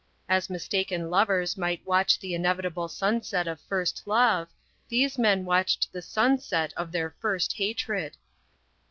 As mistaken lovers might watch the inevitable sunset of first love, these men watched the sunset of their first hatred.